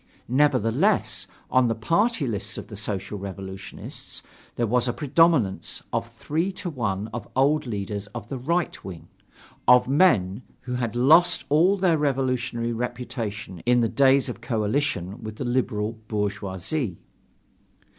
Nevertheless, on the party lists of the Social Revolutionists there was a predominance of three to one of old leaders of the right wing of men who had lost all their revolutionary reputation in the days of coalition with the liberal bourgeoisie.